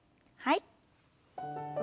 はい。